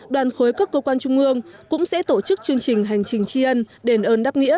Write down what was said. đoàn khối các cơ quan trung ương cũng sẽ tổ chức chương trình hành trình chi ân đền ơn đáp nghĩa